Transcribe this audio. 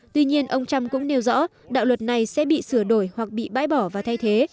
tuy nhiên ông trump cũng nêu rõ đạo luật này sẽ bị sửa đổi hoặc bị bãi bỏ và thay thế